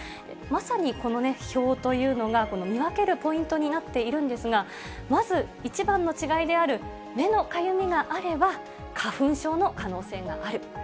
まさにこの表というのがこの見分けるポイントになっているんですが、まず、一番の違いである目のかゆみがあれば、花粉症の可能性がある。